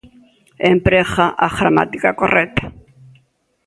Emprega a gramática correcta.